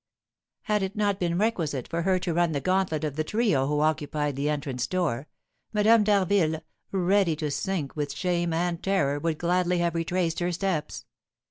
Had it not been requisite for her to run the gauntlet of the trio who occupied the entrance door, Madame d'Harville, ready to sink with shame and terror, would gladly have retraced her steps.